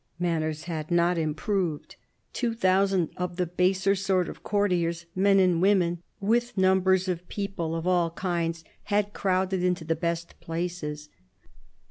Manners had not improved. Two thousand of the baser sort of courtiers, men and women, with numbers of people of all kinds, had crowded into the best places.